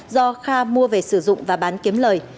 do kha mua về sử dụng và bán kiếm lời